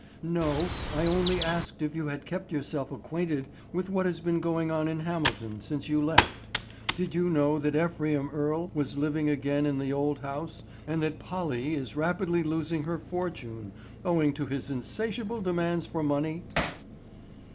"No, I only asked if you had kept yourself acquainted with what has been going on in Hamilton since you left. Did you know that Ephraim Earle was living again in the old house, and that Polly is rapidly losing her fortune owing to his insatiable demands for money?"